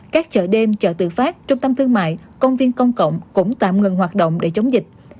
các chợ đêm chợ tự phát trung tâm thương mại công viên công cộng cũng tạm ngừng hoạt động để chống dịch